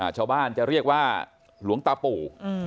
ชาวบ้านจะเรียกว่าหลวงตาปู่